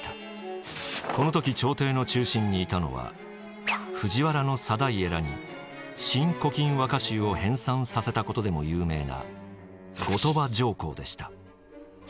この時朝廷の中心にいたのは藤原定家らに「新古今和歌集」を編纂させたことでも有名な後鳥羽上皇でした。